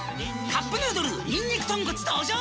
「カップヌードルにんにく豚骨」登場！